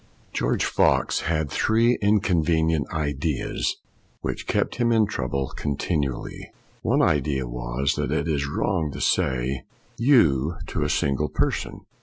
GEORGE Fox had three inconvenient ideas which kept him in trouble contin ually. One idea was that it is wrong to say " you ' to a single person.